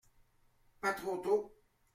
Pas trop tôt.